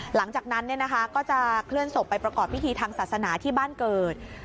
หลังจากนั้นก็จะเคลื่อนศพไปประกอบพิธีทางศาสนาที่บ้านเกิด